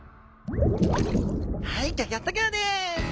はいギョギョッと号です！